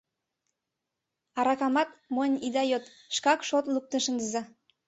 Аракамат монь ида йод, шкак шолт луктын шындыза!